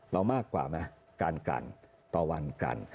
เรามากกว่าไหมกันต่อวันกัน